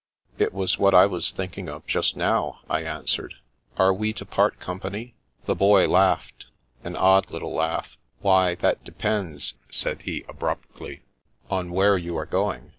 " It was what I was thinking of just now," I answered. " Are we to part company? " The Boy laughed — ^an odd little laugh. " Why, that depends," said he abruptly, " on where you are going.